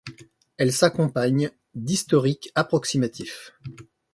Elles s’accompagnent d’historiques approximatifs.